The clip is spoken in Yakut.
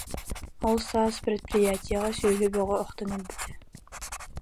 Ол саас предприятиеҕа сүөһү бөҕө охтон өлбүтэ